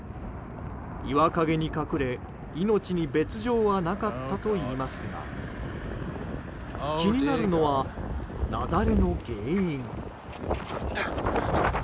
岩陰に隠れ命に別条はなかったといいますが気になるのは雪崩の原因。